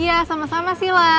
iya sama sama sih lah